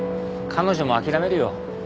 彼女も諦めるよ